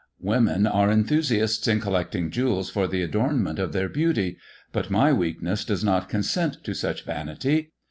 Women are enthusiasts in collecting jewels for the adorn ment of their beauty ; but my weakness does not consent to such vanity.